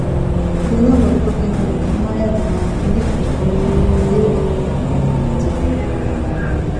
ދެލޯ ބޮޑުކޮށްގެން ހުރެ ނިހާއާ ދިމާއަށް އިނގިލި ދިއްކުރަމުން ދިޔަ ނަޒީލްގެ އަނގައިން އެނޫން އެއްޗެއް ބޭރެއް ނުވެ